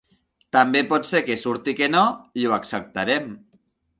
També pot ser que surti que no, i ho acceptarem.